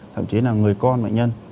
thậm chí là người con bệnh nhân